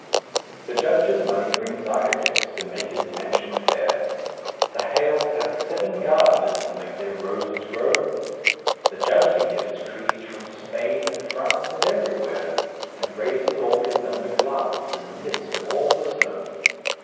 The Judge's money brings architects to make his mansion fair; The Hales have seven gardeners to make their roses grow; The Judge can get his trees from Spain and France and everywhere, And raise his orchids under glass in the midst of all the snow.